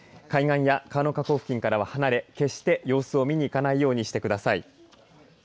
海岸や川の河口付近からは離れ決して様子を見に行かないようにしてください。